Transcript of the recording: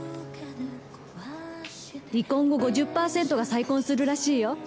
離婚後５０％が再婚するらしいよ。